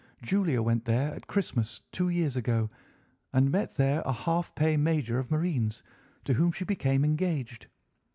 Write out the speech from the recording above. Julia went there at Christmas two years ago, and met there a half pay major of marines, to whom she became engaged.